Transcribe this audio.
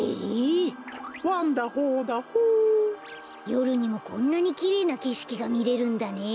よるにもこんなにきれいなけしきがみれるんだね。